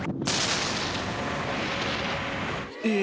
ええ！